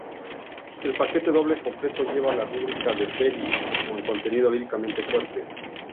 El paquete doble completo lleva la rúbrica de Belly, con contenido líricamente fuerte.